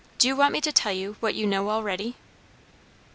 "Do you want me to tell you what you know already?"